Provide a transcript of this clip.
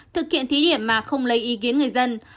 thực hiện thí điểm mà không lấy ý kiến người dân